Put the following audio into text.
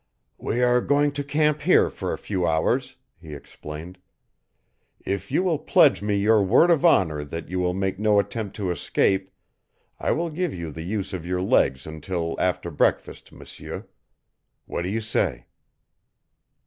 "We are going to camp here for a few hours," he explained. "If you will pledge me your word of honor that you will make no attempt to escape I will give you the use of your legs until after breakfast, M'seur. What do you say?"